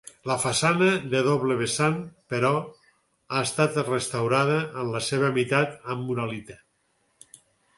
La façana de doble vessant, però, ha estat restaurada en la seva meitat amb uralita.